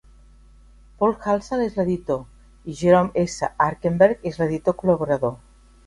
Paul Halsall és l'editor, i Jerome S. Arkenberg és l'editor col·laborador.